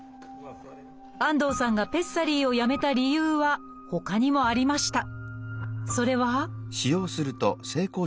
安藤さんがペッサリーをやめた理由はほかにもありました。